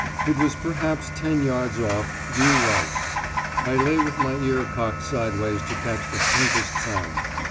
It was perhaps ten yards off, due right. I lay with my ear cocked sideways to catch the faintest sound.